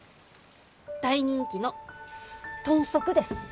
大人気の豚足です。